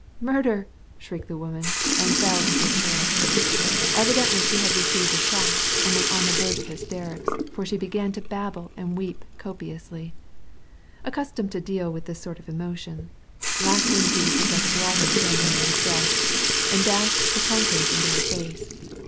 * Murder!" screeched the woman, and fell into a chair. Evidently she had received a shock and was on the vei^e of hysterics, for she began to babble and weep copiously. Accustomed to deal with this sort of emotion, Lackland seized a jug of water standing near his desk, and dashed the contents into her face.